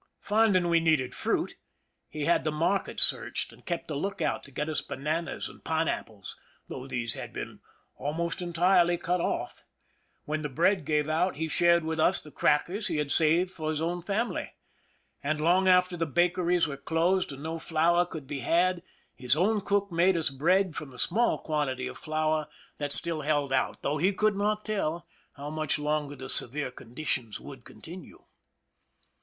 Finding we needed fruit, he had the market searched, and kept a lookout to get us bananas and pineapples, though these had been almost entirely cut off. When the bread gave out, he shared with us the crackers he had saved for his own family ; and long after the bakeries were closed and no flour could be had, his own cook made us bread from the small quantity of his flour that 255 THE SINKING OF THE "MEERIMAC^ still held out, though he could not tell how much longer the severe conditions would continue.